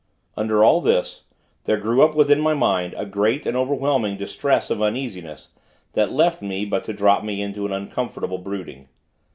Under all this, there grew up within my mind, a great and overwhelming distress of uneasiness, that left me, but to drop me into an uncomfortable brooding.